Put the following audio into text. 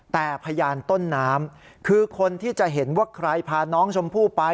แต่พยานต้นน้ำคือคนที่จะเห็นว่าใครพาน้องชมพู่ไป